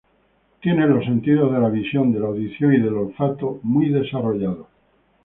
Tiene los sentidos de la visión, de la audición y del olfato muy desarrollados.